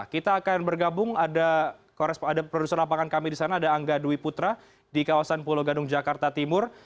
kita akan bergabung ada produser lapangan kami di sana ada angga dwi putra di kawasan pulau gadung jakarta timur